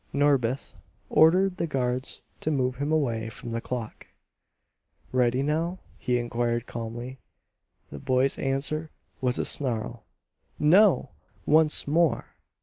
Norbith ordered the guards to move him away from the clock. "Ready now?" he inquired calmly. The boy's answer was a snarl. "No!" "Once more!"